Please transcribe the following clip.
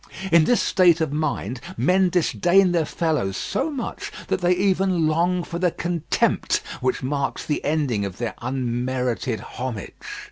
In this state of mind men disdain their fellows so much that they even long for the contempt which marks the ending of their unmerited homage.